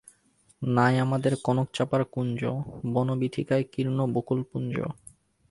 নাই আমাদের কনক-চাঁপার কুঞ্জ, বনবীথিকায় কীর্ণ বকুলপুঞ্জ।